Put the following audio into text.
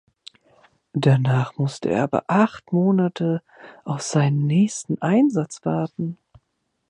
Danach musste er aber acht Monate auf seinen nächsten Einsatz warten.